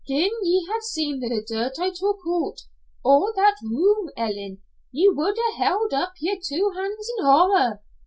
"Gin ye had seen the dirt I took oot o' that room, Ellen, ye would a' held up ye'r two han's in horror.